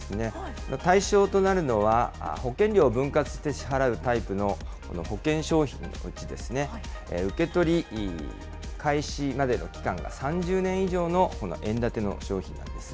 対象となるのは、保険料を分割して支払うタイプの保険商品のうち、受け取り開始までの期間が３０年以上の円建ての商品なんです。